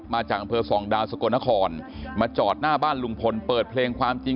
มาจากอำเภอสองดาวสกลนครมาจอดหน้าบ้านลุงพลเปิดเพลงความจริง